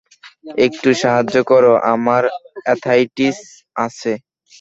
একটু সাহায্য করো, আমার আর্থ্রাইটিস আছে।